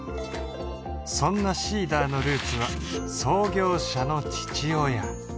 そんなＳｅｅｄｅｒのルーツは創業者の父親